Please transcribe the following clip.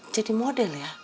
jadi model ya